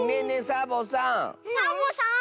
サボさん。